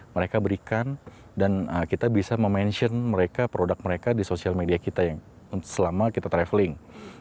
mereka berikan dan kita bisa memention produk mereka di sosial media kita yang selama kita traveling